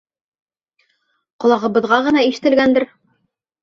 Ҡолағыбыҙға ғына ишетелгәндер.